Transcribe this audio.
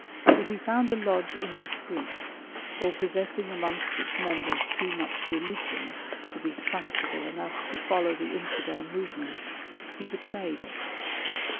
If he found a lodge indiscreet, or possessing amongst its members too much religion to be tractable enough to follow the Infidel movement, he betrayed it.